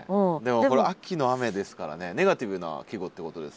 でもこれ「秋の雨」ですからねネガティブな季語ってことですよね